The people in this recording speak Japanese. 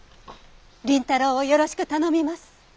麟太郎をよろしく頼みます。